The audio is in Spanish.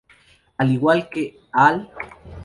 Al igual que "Al.